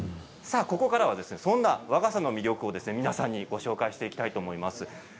ここからはそんな和傘の魅力を皆さんにご紹介していきたいと思います。